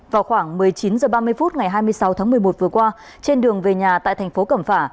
vào khoảng một mươi chín h ba mươi phút ngày hai mươi sáu tháng một mươi một vừa qua trên đường về nhà tại thành phố cẩm phả